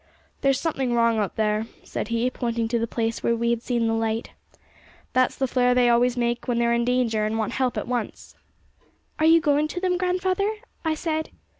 'There's something wrong out there,' said he, pointing to the place where we had seen the light. 'That's the flare they always make when they're in danger and want help at once.' 'Are you going to them, grandfather?' I said.